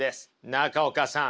中岡さん。